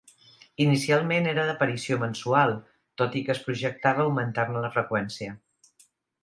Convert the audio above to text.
Inicialment era d'aparició mensual, tot i que es projectava augmentar-ne la freqüència.